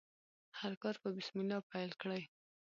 هر کار په بسم الله پیل کړئ.